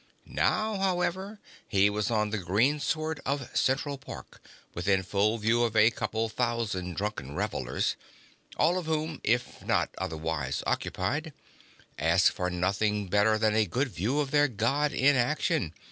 Now, however, he was on the greensward of Central Park, within full view of a couple of thousand drunken revelers, all of whom, if not otherwise occupied, asked for nothing better than a good view of their God in action.